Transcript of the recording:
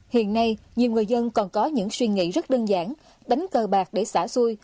hiện nay nhiều người dân còn có những suy nghĩ rất đơn giản đánh cờ bạc để xả xuôi